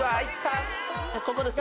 ここですね。